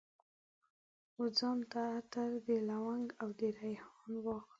وځان ته عطر، د لونګ او دریحان واخلي